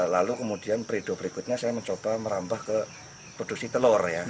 lalu kemudian perido berikutnya saya mencoba merambah ke produksi telur ya